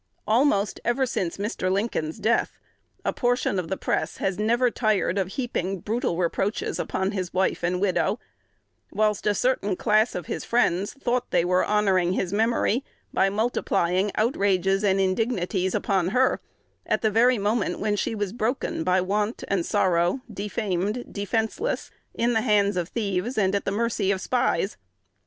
Almost ever since Mr. Lincoln's death, a portion of the press has never tired of heaping brutal reproaches upon his wife and widow; whilst a certain class of his friends thought they were honoring his memory by multiplying outrages and indignities upon her, at the very moment when she was broken by want and sorrow, defamed, defenceless, in the hands of thieves, and at the mercy of spies.